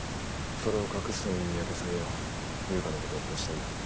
それを隠すために三宅さんや悠香のことを殺したんだ。